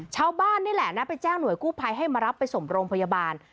ชาวบ้านนี่แหละนะไปแจ้งหน่วยกู้ภัยให้มารับไปส่งโรงพยาบาล